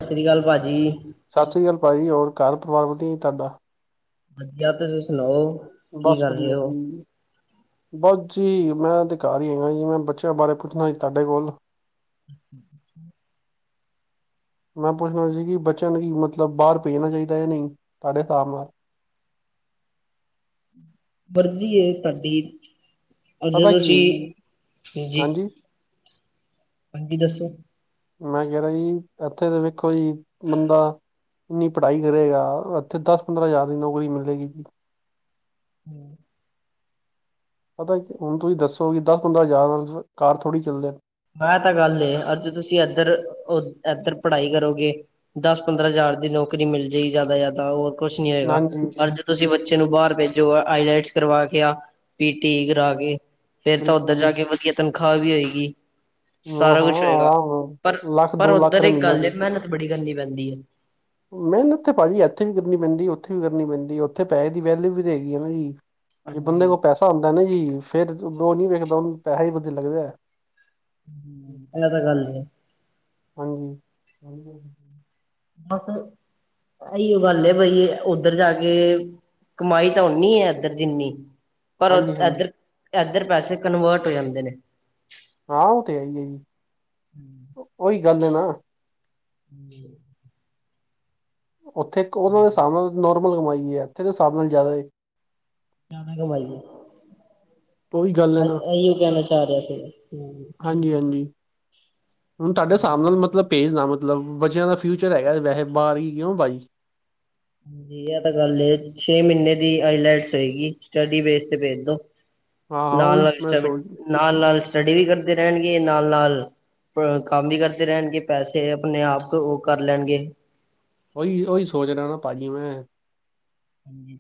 ਸਤਿ ਸ਼੍ਰੀ ਅਕਾਲ ਭਾਜੀ। ਸਤਿ ਸ਼੍ਰੀ ਅਕਾਲ ਭਾਜੀ ਹੋਰ ਘਰ ਪਰਿਵਾਰ ਵਧੀਆ ਜੀ ਤੁਹਾਡਾ? ਵਧੀਆ ਤੁਸੀਂ ਸੁਣਾਓ? ਕੀ ਬਸ ਕਰ ਰਹੇ ਵਧੀਆ ਹੋ ਜੀ। ਬਸ ਜੀ ਮੈਂ ਤੇ ਘਰ ਈ ਹੈਗਾ ਜੀ ਮੈਂ ਬੱਚਿਆਂ ਬਾਰੇ ਪੁੱਛਣਾ ਸੀ ਤੁਹਾਡੇ ਕੋਲ? [inaudible] ਮੈਂ ਪੁੱਛਣਾ ਸੀ ਕਿ ਬੱਚਿਆਂ ਨੂੰ ਕੀ ਮਤਲਬ ਬਾਹਰ ਭੇਜਣਾ ਚਾਹੀਦਾ ਜਾਂ ਨਹੀਂ ਤੁਹਾਡੇ ਹਿਸਾਬ ਨਾਲ। ਮਰਜ਼ੀ ਐ ਤੁਹਾਡੀ ਪਤਾ ਜਦੋਂ ਕੀ ਹੈ ਅਸੀਂ ਜੀ ਹਾਂਜੀ। ਹਾਂਜੀ ਦੱਸੋ? ਮੈਂ ਕਹਿ ਰਿਆ ਜੀ ਇੱਥੇ ਤੇ ਵੇਖੋ ਜੀ ਬੰਦਾ ਇੰਨੀ ਪੜ੍ਹਾਈ ਕਰੇਗਾ ਇੱਥੇ ਦਸ ਪੰਦਰਾਂ ਹਜ਼ਾਰ ਦੀ ਨੌਕਰੀ ਮਿਲੇਗੀ ਜੀ। ਹੂੰ, ਪਤਾ ਕੀ ਹੁਣ ਤੁਸੀਂ ਦੱਸੋ ਕਿ ਦਸ ਪੰਦਰਾਂ ਹਜ਼ਾਰ ਨਾਲ ਘਰ ਥੋੜੀ ਚੱਲਦਾ। ਐ ਤਾਂ ਗੱਲ ਐ ਅਰ ਜੇ ਤੁਸੀਂ ਇਧਰ ਇਧਰ ਪੜ੍ਹਾਈ ਕਰੋਗੇ ਦਸ ਪੰਦਰਾਂ ਹਜ਼ਾਰ ਦੀ ਨੌਕਰੀ ਮਿਲਜੇਗੀ ਜ਼ਿਆਦਾ ਜ਼ਿਆਦਾ ਹੋਰ ਕੁਛ ਨੀ ਹੋਏਗਾ ਹਾਂਜੀ ਪਰ ਤੁਸੀਂ ਬੱਚੇ ਨੂੰ ਬਾਹਰ ਭੇਜੋ ਆਈਲੈਟਸ ਕਰਵਾ ਕੇ ਜਾ ਪੀ ਟੀ ਈ ਕਰਾ ਕੇ। ਫੇਰ ਤਾਂ ਬਿਲਕੁਲ ਉੱਧਰ ਜੀ ਜਾ ਕੇ ਵਧੀਆ ਤਨਖਾਹ ਵੀ ਹੋਏਗੀ। ਹਾਂ ਸਾਰਾ ਹਾਂ ਕੁਛ ਹੋਏਗਾ ਆਰਾਮ ਪਰ ਨਾਲ ਲੱਖ ਪਰ ਦੋ ਲੱਖ ਉੱਧਰ ਦਾ ਇੱਕ ਮਹੀਨਾ ਗੱਲ ਐ ਪਏ ਮਿਹਨਤ ਬੜੀ ਕਰਨੀ ਪੈਂਦੀ ਐ। ਮਿਹਨਤ ਤੇ ਭਾਜੀ ਇੱਥੇ ਵੀ ਕਰਨੀ ਪੈਂਦੀ ਉੱਥੇ ਵੀ ਕਰਨੀ ਪੈਂਦੀ ਉੱਥੇ ਪੈਸੇ ਦੀ ਵੈਲਿਊ ਵੀ ਤਾਂ ਹੈਗੀ ਆ ਨਾ ਜੀ। ਜੇ ਬੰਦੇ ਹਾਂਜੀ ਕੋਲ ਪੈਸਾ ਹੁੰਦਾ ਨਾ ਜੀ ਫੇਰ ਓ ਨਹੀਂ ਵੇਖਦਾ ਉਹਨੂੰ ਪੈਸਾ ਹੀ ਵਧੀਆ ਲੱਗਦਾ। ਹੂੰ, ਇਹ ਤਾਂ ਗੱਲ ਹੈ। ਹਾਂਜੀ ਹਾਂਜੀ। ਬਸ ਇਹੀਓ ਗੱਲ ਐ ਬਈ ਉੱਧਰ ਜਾ ਕੇ। ਕਮਾਈ ਤਾਂ ਓਨੀ ਐ ਇੱਧਰ ਜਿੰਨੀ। ਪਰ ਹਾਂਜੀ ਇਧਰ ਇਧਰ ਪੈਸੇ ਕਨਵਰਟ ਹੋ ਜਾਂਦੇ ਨੇ। ਹਾਂ ਓ ਤੇ ਹੈਈ ਐ ਜੀ ਉਹੀ ਗੱਲ ਐ ਨਾ। [inaudible] ਉੱਥੇ ਇੱਕ ਉਹਨਾਂ ਦੇ ਹਿਸਾਬ ਨਾਲ ਨੋਰਮਲ ਕਮਾਈ ਐ ਇੱਥੇ ਦੇ ਹਿਸਾਬ ਨਾਲ ਜ਼ਿਆਦਾ। ਜ਼ਿਆਦਾ ਕਮਾਈ ਉਹੀ ਗੱਲ ਹੈ ਏ ਨਾ ਇਹੀਓ ਕਹਿਣਾ ਚਾਅ ਰਿਹਾ ਫਿਰ ਸੀ। ਹਾਂਜੀ ਹਾਂਜੀ। ਹੁਣ ਤੁਹਾਡੇ ਹਿਸਾਬ ਨਾਲ ਮਤਲਬ ਭੇਜ ਨਾ ਮਤਲਬ ਬੱਚਿਆਂ ਦਾ ਫਿਊਚਰ ਹੈਗਾ ਵੈਸੇ ਬਾਰ ਈ ਕਿਉਂ ਭਾਜੀ। ਹਾਂਜੀ ਏ ਤਾਂ ਗੱਲ ਐ ਛੇ ਮਹੀਨੇ ਦੀ ਆਈਲੈਟਸ ਹੋਏਗੀ ਸਟੱਡੀ ਬੇਸ ਤੇ ਭੇਜ ਦੋ। ਹਾਂ ਹਾਂ ਉਹੀ ਨਾਲ-ਨਾਲ ਸਟ ਮੈਂ ਸੋਚ ਨਾਲ-ਨਾਲ ਸਟੱਡੀ ਵੀ ਕਰਦੇ ਰਹਿਣਗੇ ਨਾਲ-ਨਾਲ ਕੰਮ ਈ ਕਰਦੇ ਰਹਿਣਗੇ ਪੈਸੇ ਆਪਣੇ ਆਪ ਉਹ ਕਰ ਲੈਣਗੇ। ਓਹੀ ਓਹੀ ਸੋਚ ਰਿਹਾ ਨਾ ਭਾਜੀ ਮੈਂ। ਹਾਂਜੀ,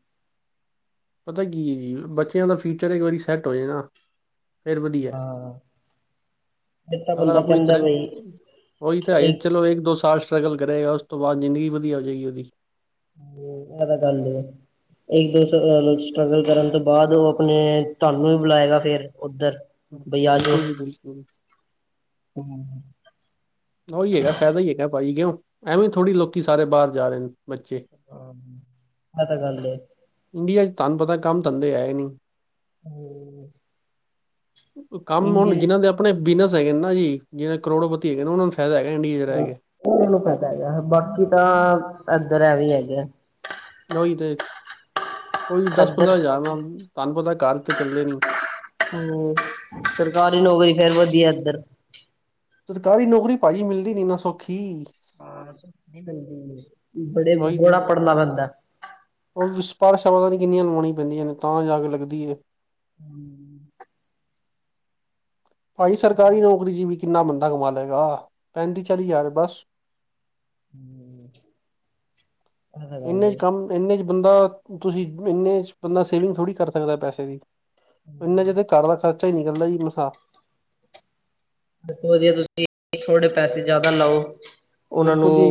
ਪਤਾ ਕੀ ਐ ਜੀ ਬੱਚਿਆਂ ਦਾ ਫਿਊਚਰ ਇੱਕ ਵਾਰੀ ਸੈੱਟ ਹੋਜੇ ਨਾ। ਫੇਰ ਵਧੀਆ ਹਾਂ, ਫਿਰ ਤਾਂ ਅਗਰ ਬੰਦਾ ਆਪਣੀ ਕਹਿੰਦਾ ਇਤਰਾ ਬਈ ਉਹੀ ਤਾਂ ਹੈ ਚਲੋ ਇੱਕ ਦੋ ਸਾਲ। ਸਟਰਗਲ ਕਰੇਗਾ ਉਸ ਤੋਂ ਬਾਅਦ ਜ਼ਿੰਦਗੀ ਵਧੀਆ ਹੋ ਜਾਏਗੀ ਉਹਦੀ। ਹੂੰ ਐ ਤਾਂ ਗੱਲ ਆ। ਇੱਕ ਦੋ ਸਟਰਗਲ ਕਰਨ ਤੋਂ ਬਾਅਦ ਉਹ ਆਪਣੇ ਤੁਹਾਨੂੰ ਵੀ ਬੁਲਾਏਗਾ ਫਿਰ ਉੱਧਰ। ਬਈ ਆਜੋ ਬਿਲਕੁਲ ਜੀ ਬਿਲਕੁਲ ਹੂੰ, ਉਹੀ ਹੈਗਾ ਫਾਇਦਾ ਈ ਹੈਗਾ ਭਾਈ ਕਿਉਂ, ਐਵੇਂ ਥੋੜ੍ਹੀ ਲੋਕੀ ਸਾਰੇ ਬਾਹਰ ਜਾ ਰਹੇ ਨੇ ਬੱਚੇ। ਹਾਂ ਆ ਤਾਂ ਗੱਲ ਐ। ਇੰਡੀਆ ਚ ਤੁਹਾਨੂੰ ਪਤਾ ਕੰਮ ਧੰਦੇ ਹੈ ਈ ਨੀ। ਹੂੰ, ਕੰਮ ਹੁਣ ਇੰਡੀਅਨ ਜਿਹਨਾਂ ਦੇ ਆਪਣੇ ਬਿਜ਼ਨਸ ਹੈਗੇ ਨੇ ਨਾ ਜੀ ਜਿਹੜੇ ਕਰੋੜੋਪਤੀ ਹੈਗੇ ਨੇ ਉਹਨਾਂ ਨੂੰ ਫਾਇਦਾ ਹੈਗਾ ਇੰਡੀਆ ਚ ਰਹਿ ਕੇ। ਮੈਨੂੰ ਪਤਾ ਹੈਗਾ ਬਾਕੀ ਤਾਂ ਇੱਧਰ ਐ ਵੀ ਹੈਗਾ। ਉਹੀ ਤੇ, ਕੋਈ ਦਸ ਇੱਧਰ ਪੰਦਰਾਂ ਹਜ਼ਾਰ ਵਾ ਤੁਹਾਨੂੰ ਪਤਾ ਘਰ ਤੇ ਚੱਲਦੇ ਨੀ। ਹੂੰ ਸਰਕਾਰੀ ਨੌਕਰੀ ਫੇਰ ਵਧੀਆ ਇੱਧਰ। ਸਰਕਾਰੀ ਨੌਕਰੀ ਭਾਜੀ ਮਿਲਦੀ ਨੀ ਨਾ ਸੌਖੀ। ਹਾਂ ਸੋਖੀ ਮਿਲਦੀ ਨੀ, ਬੜੇ ਉਹੀ ਬੜਾ ਤੇ, ਪੜ੍ਹਨਾ ਪੈਂਦਾ। ਉਹ ਸਿਪਾਰਸ਼ਾ ਤਾਂ ਨੀ ਕਿੰਨੀਆਂ ਲਵਾਣੀਆ ਪੈਂਦੀਆਂ ਨੇ ਤਾਂ ਜਾ ਕੇ ਲੱਗਦੀ ਏ। ਹੂੰ, ਭਾਜੀ ਸਰਕਾਰੀ ਨੌਕਰੀ ਚ ਵੀ ਕਿੰਨਾ ਬੰਦਾ ਕਮਾ ਲਏਗਾ, ਪੈਂਤੀ ਚਾਲੀ ਜਾਰ ਬਸ। ਹੂੰ, ਇਹ ਤਾਂ ਗੱਲ ਇਹਨੇ ਚ ਏ ਕੰਮ ਇੰਨੇ 'ਚ ਬੰਦਾ, ਤੁਸੀਂ ਇੰਨੇ 'ਚ ਬੰਦਾ ਸੇਵਿੰਗ ਥੋੜ੍ਹੀ ਕਰ ਸਕਦਾ ਪੈਸੇ ਦੀ। ਇੰਨਾ ਚਿਰ ਤੇ ਘਰ ਦਾ ਖਰਚਾ ਹੀ ਨਿਕਲਦਾ ਜੀ ਮਸਾ। ਦੱਸੋ ਵਧੀਆ ਤੁਸੀਂ ਥੋੜੇ ਪੈਸੇ ਜਿਆਦਾ ਲਓ, ਉਹਨਾਂ ਬਿਲਕੁਲ ਨੂੰ ਜੀ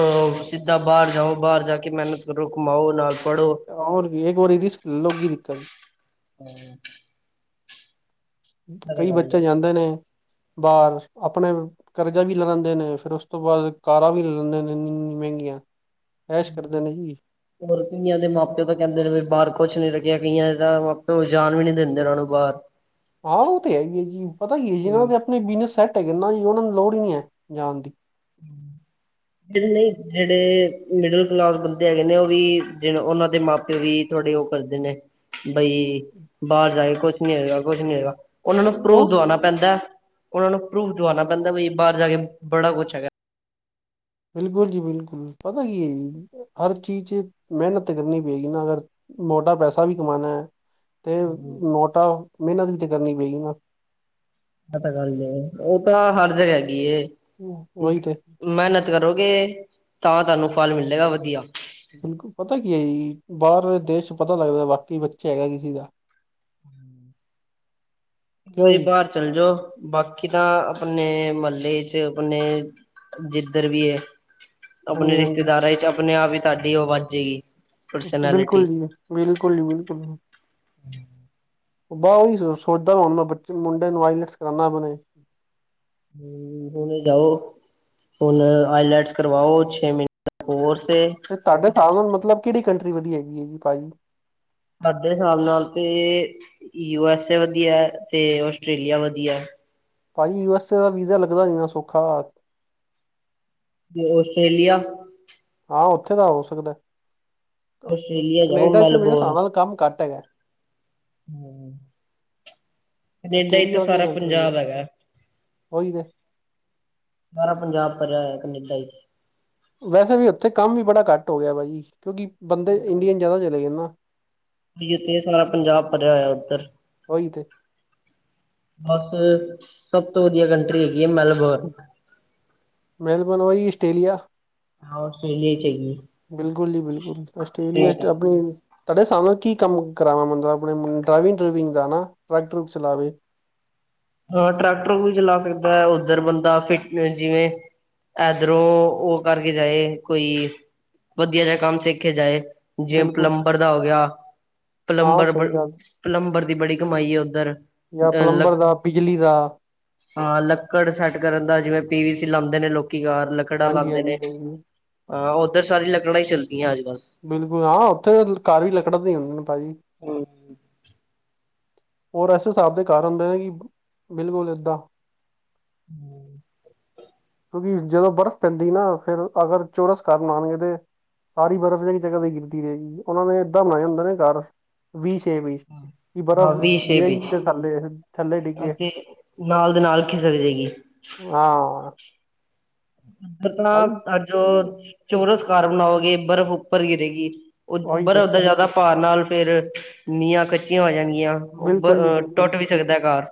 ਅਹ ਸਿੱਧਾ ਬਾਹਰ ਜਾਓ ਬਾਹਰ ਜਾ ਕੇ ਮਿਹਨਤ ਕਰੋ ਕਮਾਓ ਨਾਲ ਪੜ੍ਹੋ। ਹੋਰ ਵੀ ਇੱਕ ਵਾਰੀ ਰਿਸਕੈ ਲਉਗੀ ਦਿੱਕਤ। ਹੂੰ, ਕਈ ਬੱਚੇ ਜਾਂਦੇ ਨੇ, ਬਾਰ ਆਪਣੇ ਕਰਜ਼ਾ ਵੀ ਲੈ ਲੈਂਦੇ ਨੇ ਫੇਰ ਉਸ ਤੋਂ ਬਾਅਦ ਕਾਰਾਂ ਵੀ ਲੈ ਲੈਂਦੇ ਨੇ ਐਨੀਆ ਮਹਿੰਗੀਆਂ। ਐਸ਼ ਕਰਦੇ ਨੇ ਜੀ। ਹੋਰ ਕਈਆਂ ਦੇ ਮਾ ਪਿਓ ਤਾਂ ਕਹਿੰਦੇ ਨੇ ਵੀ ਬਾਰ ਕੁਛ ਨੀ ਰੇਗਿਆ ਕਈਆਂ ਦਾ ਮਾ ਪਿਓ ਜਾਨ ਵੀ ਨੀ ਦਿੰਦੇ ਉਹਨਾਂ ਨੂੰ ਬਾਰ। [inaudible] ਹਾਂ ਉਹ ਤੇ ਹੈਗੀ ਐ ਜੀ ਪਤਾ ਕਿ ਐ ਜਿ ਇਹਨਾਂ ਦੇ ਆਪਣੇ ਬਿਜਨਸ ਸੈੱਟ ਹੈਗੇ ਨੇ ਜੀ ਉਹਨਾਂ ਨੂੰ ਲੋੜ ਨੀ ਐ ਜਾਣ ਦੀ। ਹੂੰ, [unintelligible] ਜਿਹੜੇ ਮਿਡਲ ਕਲਾਸ ਬੰਦੇ ਹੈਗੇ ਨੇ ਉਹ ਵੀ, ਉਹਨਾਂ ਦੇ ਮਾਂ ਪਿਓ ਵੀ। ਥੋੜੇ ਉਹ ਕਰਦੇ ਨੇ। ਬਈ ਬਾਹਰ ਜਾ ਕੇ ਕੁਛ ਨੀ ਹੈਗਾ ਕੁਛ ਨੀ ਹੈਗਾ, ਉਹਨਾਂ ਨੂੰ ਪਰੂਫ ਉਹ ਤੇ ਦਵਾਉਣਾ ਪੈਂਦਾ। ਉਹਨਾਂ ਨੂੰ ਪਰੂਫ ਦਵਾਣਾ ਪੈਂਦਾ ਵੀ ਬਾਹਰ ਜਾ ਕੇ ਬੜਾ ਕੁੱਛ ਹੈਗਾ। ਬਿਲਕੁਲ ਜੀ ਬਿਲਕੁਲ ਪਤਾ ਕੀ ਐ ਜੀ, ਹਰ ਚੀਜ਼ ਚ ਮਿਹਨਤ ਤਾਂ ਕਰਨੀ ਪਏਗੀ ਨਾ ਅਗਰ। ਮੋਟਾ ਪੈਸਾ ਵੀ ਕਮਾਣਾ ਐ, ਤੇ ਹੈਗਾ ਮੋਟਾ ਮਿਹਨਤ ਵੀ ਤੇ ਕਰਨੀ ਪਏਗੀ ਨਾ। ਐ ਤਾ ਗੱਲ ਐ ਉਹ ਤਾਂ ਹਰ ਜਗ੍ਹਾ ਹੈਗੀ ਐ, ਉਹੀ ਤੇ ਮੈਂ ਨਾ ਕਰੋਗੇ ਤਾਂ ਤੁਹਾਨੂੰ ਫਲ ਮਿਲੇਗਾ ਵਧੀਆ। ਪਤਾ ਕੀ ਹੈ ਜੀ ਬਾਹਰਲੇ ਦੇਸ਼ ਚ ਪਤਾ ਲੱਗਦਾ ਵਾਕਈ ਬੱਚਾ ਹੈਗਾ ਕਿਸੇ ਦਾ। ਹਮ। ਕਿਉਂ ਕੋਈ ਜੀ ਬਾਹਰ ਚੱਲ ਜਾਓ ਬਾਕੀ ਤਾਂ ਆਪਣੇ ਮਹੱਲੇ ਚ ਆਪਣੇ ਜਿੱਧਰ ਵੀ ਏ ਆਪਣੇ ਹਾਂਜੀ ਹਾਂਜੀ ਰਿਸ਼ਤੇਦਾਰਾਂ ਵਿੱਚ ਆਪਣੇ ਆਪ ਹੀ ਤੁਹਾਡੀ ਆ ਵੱਜੇਗੀ। ਬਿਲਕੁਲ ਜੀ ਬਿਲਕੁਲ ਜੀ ਬਿਲਕੁਲ ਜੀ। ਬ ਉਹੀ ਸੋਚਦਾ ਹੁਣ ਮੈਂ ਬੱਚ ਮੁੰਡੇ ਨੂੰ ਆਈਲੈਟਸ ਕਰਾਉਦਾ ਆਪਣੇ। ਹਮ ਹੁਣ ਜਾਓ। ਹੁਨ ਆਈਲੈਟਸ ਕਰਵਾਓ ਛੇ ਮਹੀਨੇ ਕੋਰਸ ਤੇ ਤੁਹਾਡੇ ਹਿਸਾਬ ਨਾਲ ਮਤਲਬ ਕਿਹੜੀ ਕੰਟਰੀ ਵਧੀਆ ਹੈਗੀ ਹੈ ਜੀ ਭਾਜੀ। ਸਾਡੇ ਹਿਸਾਬ ਨਾਲ ਤੇ ਯੂ ਐਸ ਏ ਵਧੀਆ ਹੈ ਤੇ ਆਸਟ੍ਰੇਲੀਆ ਵਧੀਆ। ਭਾਜੀ ਯੂ ਐਸ ਏ ਦਾ ਵੀਜ਼ਾ ਲੱਗਦਾ ਨਹੀ ਨਾ ਸੌਖਾ। ਆਸਟ੍ਰੇਲੀਆ। ਹਾਂ ਉੱਥੇ ਦਾ ਹੋ ਸਕਦਾ। ਆਸਟ੍ਰੇਲੀਆ ਜਾਓ ਕਨੇਡਾ ਚ ਵੀ ਨਾ ਮੇਰੇ ਹਿਸਾਬ ਮੈਲਬੋਰਨ ਨਾਲ ਕੰਮ ਘੱਟ ਹੈਗਾ। ਹਮ। ਕਨੇਡਾ ਵਿੱਚ ਤਾਂ ਆਸਟ੍ਰੇਲੀਆ ਵਧੀਆ ਸਾਰਾ ਕੰਟਰੀ ਹੈ ਪੰਜਾਬ ਹੈਗਾ। ਉਹੀ ਤੇ ਸਾਰਾ ਪੰਜਾਬ ਭਰਿਆ ਹੋਇਆ ਕਨੇਡਾ ਇਚ ਵੈਸੇ ਵੀ ਉੱਥੇ ਕੰਮ ਵੀ ਬੜਾ ਘੱਟ ਹੋ ਗਿਆ ਭਾਜੀ ਕਿਉਂਕਿ ਬੰਦੇ ਹਮ ਇੰਡੀਅਨ ਜਿਆਦਾ ਚਲੇ ਗਏ ਨਾ। [unintelligible] ਸਾਰਾ ਪੰਜਾਬ ਭਰਿਆ ਹੋਇਆ ਉੱਧਰ। ਉਹੀ ਤੇ ਬਸ ਸਭ ਤੋਂ ਵਧੀਆ ਕੰਟਰੀ ਹੈਗੀ ਹੈ ਮੈਲਬੋਰਨ। ਮੈਲਬੋਰਨ ਉਈ ਆਸਟ੍ਰੇਲੀਆ। ਹਾਂ ਆਸਟਰੇਲੀਆ ਚ ਕਿ ਬਿਲਕੁਲ ਜੀ ਬਿਲਕੁਲ ਆਸਟ੍ਰੇਲੀਆ ਚ ਆਪਣੀ ਤੁਹਾਡੇ ਸਾਹਮਣੇ ਕੀ ਕੰਮ ਕਰਾਵਾ ਮਤਲਬ ਆਪਣੇ ਡਰਾਈਵਿੰਗ ਡਰੂਈਵਿੰਗ ਦਾ ਨਾ ਟਰੈਕ ਟਰੁਕ ਚਲਾਵੇ। ਹਾਂ ਟਰੱਕ ਟਰੁਕ ਵੀ ਚਲਾ ਸਕਦਾ ਹੈ ਉੱਧਰ ਬੰਦਾ ਫਿਟ ਏ ਜਿਵੇਂ ਇਧਰੋਂ ਉਹ ਕਰਕੇ ਜਾਏ ਕੋਈ ਵਧੀਆ ਜਿਹਾ ਕੰਮ ਸਿੱਖਕੇ ਜਾਏ। ਜਿਵੇਂ ਬਿਲਕੁਲ ਪਲੰਬਰ ਦਾ ਹੋ ਗਿਆ ਹਾਂ ਪਲੰਬਰ ਸਹੀ ਗੱਲ ਪਲੰਬਰ ਦੀ ਬੜੀ ਕਮਾਈ ਏ ਉੱਧਰ। ਜਾਂ ਅ ਲ ਪਲੰਬਰ ਦਾ ਬਿਜਲੀ ਦਾ। ਹਾਂ ਲੱਕੜ ਸੈੱਟ ਕਰਨ ਦਾ ਜਿਵੇਂ ਪੀ ਵੀ ਸੀ ਲਾਉਂਦੇ ਨੇ ਲੋਕੀ ਕਾਰ ਲ ਲੱਕੜਾ ਹਾਂਜੀ ਲਾਉਂਦੇ ਨੇ ਹਾਂਜੀ ਹਾਂਜੀ ਹਾਂ ਉੱਧਰ ਸਾਰੀ ਲੱਕੜਾਂ ਹੀ ਚੱਲਦੀਆਂ ਅੱਜ ਕੱਲ੍ਹ। ਬਿਲਕੁਲ ਹਾਂ ਉੱਥੇ ਤਾਂ ਘਰ ਵੀ ਲੱਕੜ ਦੇ ਹੁੰਦੇ ਨੇ ਭਾਜੀ। ਹਮ। ਹੋਰ ਇਸੇ ਹਿਸਾਬ ਦੇ ਘਰ ਹੁੰਦੇ ਨੇ ਕਿ ਬਿਲਕੁਲ ਏਦਾਂ। ਹਮ ਕਿਉਂਕਿ ਜਦੋਂ ਬਰਫ਼ ਪੈਂਦੀ ਨਾ ਫੇਰ ਅਗਰ ਚੋਰਸ ਘਰ ਬਣਾਉਣਗੇ ਤੇ। ਸਾਰੀ ਬਰਫ਼ ਇਕ ਜਗ੍ਹਾ ਤੇ ਗਿਰਦੀ ਰਹੇਗੀ ਉਹਨਾਂ ਨੇ ਏਦਾਂ ਬਣਾਇਆ ਹੁੰਦਾ ਨਾ ਘਰ। ਵੀ ਸ਼ੇਪ ਵਿੱਚ ਕੀ ਹਾਂ ਬਰਫ਼। ਵੀ ਸ਼ੇਪ ਗਿਰੇ ਜੀ ਵਿੱਚ ਵੀ ਤੇ ਸਾਡੇ ਥੱਲੇ ਡਿੱਗੇ ਅਤੇ ਨਾਲ ਦੇ ਨਾਲ ਖਿਸਕ ਜਾਏਗੀ ਹਾਂ ਦੱਸਣਾ ਭਾਈ ਅੱਜ ਉਹ ਚੋਰਸ ਘਰ ਬਣਾਓਗੇ ਬਰਫ਼ ਉੱਪਰ ਗਿਰੇਗੀ। ਉਹ ਉਹੀ ਤੇ ਬਰਫ਼ ਦਾ ਜ਼ਿਆਦਾ ਭਾਰ ਨਾਲ ਫੇਰ ਨੀਆਂ ਕੱਚੀਆਂ ਹੋ ਜਾਂਗੀਆਂ। ਉਬ ਬਿਲਕੁਲ ਟੁੱਟ ਵੀ ਸਕਦਾ ਘਰ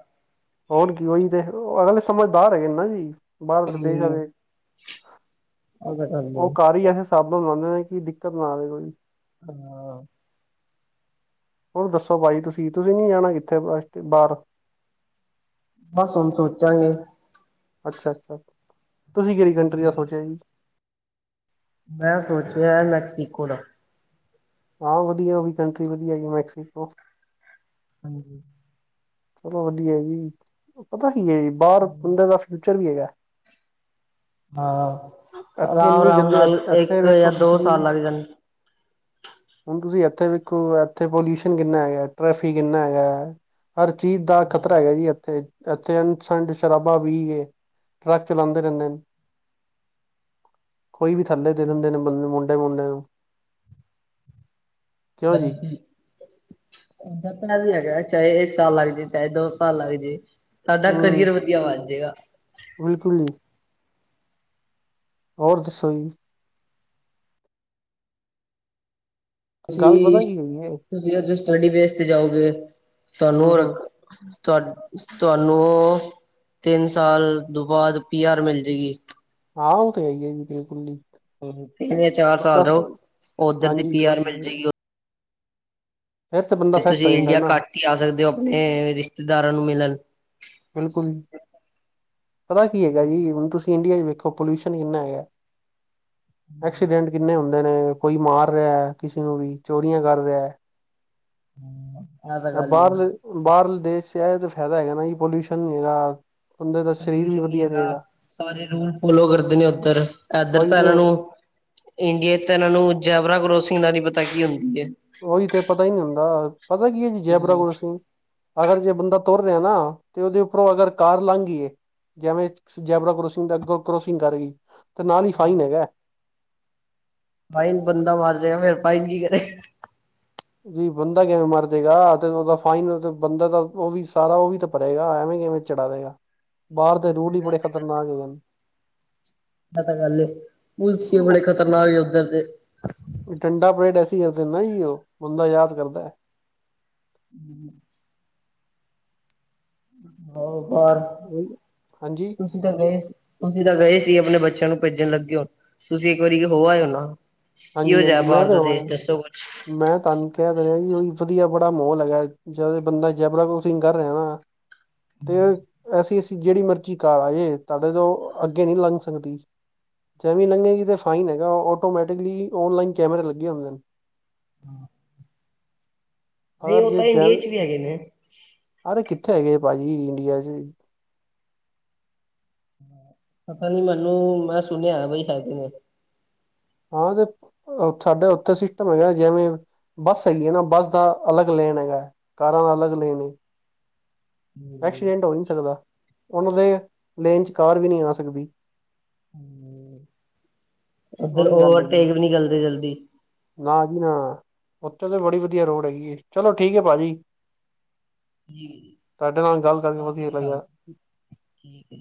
ਹੋਣ ਕੀ ਉਹੀ ਤੇ ਅਗਲੇ ਸਮਝਦਾਰ ਹੈਗੇ ਨਾ ਜੀ। ਹਮ ਬਾਹਰਲੇ ਦੇਸ਼ ਵਾਲੇ ਉਹ ਕਾਰ ਹੀ ਐਸੇ ਸਾਬਧਾਨ ਲਾਉਂਦੇ ਕਿ ਦਿੱਕਤ ਨਾ ਆਵੇ ਕੋਈ। ਹਾਂ ਹੁਣ ਦੱਸੋ ਭਾਜੀ ਤੁਸੀਂ ਤੁਸੀਂ ਨੀ ਜਾਣਾ ਕਿੱਥੇ ਵਾਸਤਵ ਬਾਹਰ। ਬਸ ਹੁਣ ਸੋਚਾਂਗੇ। ਅੱਛਾ ਅੱਛਾ ਤੁਸੀਂ ਕਿਹੜੀ ਕੰਟਰੀ ਦਾ ਸੋਚਿਆ ਜੀ। ਮੈਂ ਸੋਚਿਆ ਏ ਮੈਕਸੀਕੋ ਦਾ। ਹਾਂ ਵਧੀਆ ਉਹ ਵੀ ਕੰਟਰੀ ਵਧੀਆ ਹੈਗੀ ਮੈਕਸੀਕੋ। ਹਾਂਜੀ ਚਲੋ ਵਧੀਆ ਜੀ ਪਤਾ ਕੀ ਹੈ ਬਾਹਰ ਬੰਦੇ ਦਾ ਫਿਊਚਰ ਵੀ ਹੈਗਾ। ਹਾਂ, ਇੱਥੇ ਇੰਨੀ ਆਰਾਮ-ਆਰਾਮ ਗੰਦੇ ਨਾਲ ਇੱਥੇ ਇੱਕ ਜਾਂ ਵੇਖੋ ਦੋ ਤੁਸੀਂ। ਸਾਲ ਲੱਗ ਜਾਣ। ਹੁਣ ਤੁਸੀਂ ਇੱਥੇ ਵੇਖੋ ਇੱਥੇ ਪੋਲਿਊਸ਼ਨ ਕਿੰਨਾ ਹੈਗਾ ਟਰੈਫਿਕ ਕਿੰਨਾ ਹੈਗਾ। ਹਰ ਚੀਜ਼ ਦਾ ਖ਼ਤਰਾ ਹੈਗਾ ਹਾਂਜੀ, ਜੀ ਇੱਥੇ ਏ। ਇੱਥੇਸੰਡ ਸ਼ਰਾਬਾ ਪੀ ਕੇ ਟਰੱਕ ਚਲਾਉਂਦੇ ਰਹਿੰਦੇ ਨੇ। [inaudible] ਕੋਈ ਵੀ ਥੱਲੇ ਦੇ ਦਿੰਦੇ ਨੇ ਬੰਦੇ ਨੂੰ ਮੁੰਡੇ ਮੁੰਡੇ ਨੂੰ ਕਿਉਂ ਜੀ ਹਾਂਜੀ ਦਸਣਾ ਵੀ ਹੈਗਾ ਚਾਹੇ ਇੱਕ ਸਾਲ ਲਗ ਜਾਏ ਚਾਹੇ ਦੋ ਸਾਲ ਲੱਗ ਜਾਏ। ਸਾਡਾ ਕਰੀਅਰ ਹੂੰ ਵਧੀਆ ਬਣ ਜਾਏਗਾ। ਬਿਲਕੁਲ ਜੀ ਹੋਰ ਦੱਸੋ ਜੀ ਗੱਲ ਤੁਸੀਂ ਪਤਾ ਕੀ ਹੈਗੀ ਹੈ ਤੁਸੀਂ ਅਜ ਸਟੱਡੀ ਬੇਸ ਤੇ ਜਾਓਗੇ ਹੂੰ ਤੁਹਾਨੂੰ ਹੂੰ ਰਖਣ। ਤੁ ਤੁਹਾਨੂੰ ਤਿੰਨ ਸਾਲ ਤੋਂ ਬਾਅਦ ਪੀ ਆਰ ਮਿਲ ਜਾਏਗੀ। ਹਾਂ ਉਹ ਤੇ ਹੈ ਹੀ ਏ ਬਿਲਕੁਲ ਜੀ। ਹਮ ਤਿੰਨ ਚਾਰ ਬੰਦਾ ਸਾਲ ਰਹੋ ਉੱਧਰ ਦੀ ਹਾਂਜੀ ਪੀ ਆਰ ਮਿਲ ਜਾਏਗੀ ਫਿਰ ਉਧਰ। ਬੰਦਾ ਤੇ ਸੈੱਟ ਤੁਸੀਂ ਹੋ ਜਾਂਦਾ ਇੰਡੀਆ ਨਾ ਘੱਟ ਹੀ ਆ ਸਕਦੇ ਹੋ ਆਪਣੇ ਰਿਸ਼ਤੇਦਾਰਾਂ ਨੂੰ ਮਿਲਣ। ਬਿਲਕੁਲ ਪਤਾ ਕੀ ਹੈਗਾ ਜੀ ਹੁਣ ਤੁਸੀਂ ਇੰਡੀਆ 'ਚ ਵੇਖੋ। ਪੋਲਿਊਸ਼ਨ ਹੀ ਇੰਨਾ ਹੈਗਾ ਐਕਸੀਡੈਂਟ। ਕਿੰਨੇ ਹੁੰਦੇ ਨੇ ਕੋਈ ਮਾਰ ਰਿਹਾ ਕਿਸੇ ਨੂੰ ਚੋਰੀਆਂ ਕਰ ਰਿਹਾ। ਹਮ [unintelligible] ਐ ਬਾਹਰਲੇ, ਬਾਹਰਲੇ ਦੇਸ਼ 'ਚ ਇਹ ਤੇ ਫਾਇਦਾ ਹੈਗਾ ਨਾ ਜੀ ਪੋਲਿਊਸ਼ਨ ਨਹੀਂ ਹੈਗਾ। ਬੰਦੇ ਦਾ ਸਰੀਰ ਵੀ ਪਲਿਊਸ਼ਨ ਨੀ ਵਧੀਆ ਹੈਗਾ ਰਹੇਗਾ ਸਾਰੇ ਰੂਲ ਫੋਲੋ ਕਰਦੇ ਨੇ ਉੱਧਰ ਏਧਰ ਉਹੀ ਤਾਂ ਤੇ ਇਹਨਾਂ ਨੂੰ। ਇੰਡੀਆ ਤਾਂ ਇਹਨਾਂ ਨੂੰ ਜੈਬਰਾ ਕਰੋਸਿੰਗ ਦਾ ਨਹੀ ਪਤਾ ਕੀ ਹੁੰਦੀ ਹੈ। ਉਹੀ ਤੇ ਪਤਾ ਨੀ ਹੁੰਦਾ ਪਤਾ ਕੀ ਹੈ ਜੀ ਜੈਬਰਾ ਹਮ ਕਰਾਸਿੰਗ ਅਗਰ ਜੇ ਬੰਦਾ ਤੁਰ ਰਿਹਾ ਨਾ ਤੇ ਉਹਦੇ ਉੱਪਰੋਂ ਅਗਰ ਕਾਰ ਲੰਘੀ ਗਈਏ। ਜਿਵੇਂ ਜੈਬਰਾ ਕਰੋਸਿੰਗ ਦਾ ਅੱਗੋਂ ਕਰੋਸਿੰਗ ਕਰ ਗਈ ਤੇ ਨਾਲ ਹੀ ਫਾਈਨ ਹੈਗਾ। ਬਾਈਨ ਬੰਦਾ ਮਾਰ ਜਾਏਗਾ ਫਿਰ ਫਾਈਨ ਕੀ ਕਰੇ। ਜੀ ਬੰਦਾ ਕਿਵੇਂ ਮਰ ਜਾਊਗਾ ਤੇ ਉਹਦਾ ਫਾਈਨ ਬੰਦਾ ਤਾਂ ਉਹ ਵੀ ਸਾਰਾ ਉਹ ਵੀ ਤਾਂ ਭਰੇਗਾ ਐਵੇਂ ਕਿਵੇਂ। ਚੜਾ ਰਹੇਗਾ ਬਾਹਰ ਦੇ ਰੂਲ ਵੀ ਹੂੰ ਇਹ ਬੜੇ ਤਾਂ ਗੱਲ ਖਤਰਨਾਕ ਏ, ਹੈਗੇ ਨੇ। ਇਹ ਤਾਂ ਗੱਲ ਏ ਪੁਲਸੀਏ ਬੜੇ ਖ਼ਤਰਨਾਕ ਉੱਧਰ ਦੇ ਠੰਡਾ ਪਰੇਡ ਐਸੀ ਕਰਦੇ ਨੇ ਜ ਉਹ ਬੰਦਾ ਯਾਦ ਕਰਦਾ। ਹਮ। ਹੋਰ ਪਰ ਉਹੀ ਹਾਂਜੀ ਤੁਸੀਂ ਤਾਂ ਗਏ ਸੀ ਤੁਸੀਂ ਤਾਂ ਗਏ ਸੀ ਆਪਣੇ ਬੱਚਿਆਂ ਨੂੰ ਭੇਜਣ ਲੱਗੇ ਹੋ ਤੁਸੀਂ ਇੱਕ ਵਾਰੀ ਹੋ ਆਏ ਨਾ। ਕੀ ਹੋ ਹਾਂਜੀ ਹਾਂਜੀ ਜਾਇ ਮੈਂ ਬਾਹਰ ਤੇ ਦਾ ਹੋ ਦੇਸ਼ ਆਇਆ ਦੱਸੋ ਕੁ ਮੈਂ ਤੁਹਾਨੂੰ ਕਹਿ ਦੇ ਰਿਹਾ ਜੀ ਵਧੀਆ ਬੜਾ ਮੋਲ ਹੈਗਾ। ਜਦ ਬੰਦਾ ਜੈਬਰਾ ਕ੍ਰਾਸਿੰਗ ਕਰ ਰਿਹਾ ਤੇ ਐਸੀ ਅਸੀ ਜਿਹੜੀ ਮਰਜ਼ੀ ਕੀ ਕਾਰ ਆਏ ਤੁਹਾਡੇ ਤੋਂ ਅੱਗੇ ਨਹੀਂ ਲੰਘ ਸਕਦੀ ਜਵੇਂ ਲੰਘੇਗੀ ਤਾਂ ਫਾਈਨ ਹੈਗਾ ਆਟੋਮੈਟਿਕਲੀ ਔਨਲਾਈਨ ਕੈਮਰੇ ਲੱਗੇ ਹੁੰਦੇ ਨੇ [inaudible] ਨਹੀਂ ਉਹ ਤਾਂ ਇੰਡੀਏ ਚ ਵੀ ਹੈ ਹੈਗੇ ਨੇ ਸਾਰੇ ਕਿੱਥੇ ਹੈਗੇ ਭਾਜੀ ਇੰਡੀਆ ਚ [inaudible] ਪਤਾ ਨੀ ਮੈਨੂੰ ਮੈਂ ਸੁਣਿਆ ਬਈ ਹੈਗੇ ਨੇ ਹਾਂ ਤੇ ਸਾਡਾ ਉੱਥੇ ਸਿਸਟਮ ਹੈਗਾ ਜਿਵੇਂ ਬੱਸ ਹੈਗੀ ਹੈ ਨਾ ਬੱਸ ਦਾ ਅਲੱਗ ਲੇਨ ਹੈਗਾ ਕਾਰਾਂ ਦਾ ਅਲੱਗ ਲੈਣ ਹਾਂਜੀ। ਐਕਸੀਡੈਂਟ ਹੋ ਨਹੀਂ ਸਕਦਾ ਉਹਨਾਂ ਦੇ ਲੇਨ 'ਚ ਕਾਰ ਵੀ ਨਹੀਂ ਆ ਸਕਦੀ ਉੱਧਰ ਉਹੀ ਗੱਲ ਹੈਗੀ ਓਵਰਟੇਕ ਵੀ ਨੀ ਚਲਦੀ ਜਲਦੀ ਨਾ ਜੀ ਨਾ ਉੱਥੇ ਤਾਂ ਬੜੀ ਵਧੀਆ ਰੋਡ ਹੈਗੀ ਹੈ ਚਲੋ ਠੀਕ ਹੈ ਭਾਜੀ ਜੀ ਤੁਹਾਡੇ ਨਾਲ ਗੱਲ ਕਰਕੇ ਸਤਿ ਵਧੀਆ ਸ੍ਰੀ ਅਕਾਲ ਲੱਗਿਆ ਠੀਕ ਜੀ।